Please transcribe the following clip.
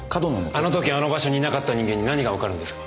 あの時あの場所にいなかった人間に何がわかるんですか？